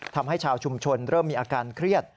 ทำให้ชาวชุมชนเริ่มมีอาการเครียด